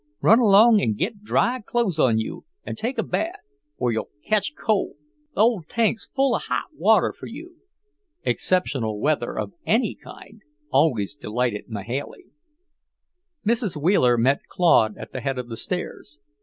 Run along and git dry clothes on you, an' take a bath, or you'll ketch cold. Th' ole tank's full of hot water for you." Exceptional weather of any kind always delighted Mahailey. Mrs. Wheeler met Claude at the head of the stairs.